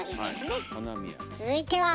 続いては。